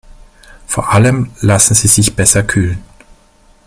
Vor allem lassen sie sich besser kühlen.